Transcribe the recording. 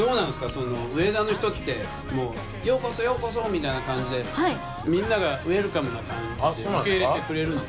その上田の人ってもうようこそようこそみたいな感じでみんながウエルカムな感じで受け入れてくれるんですか？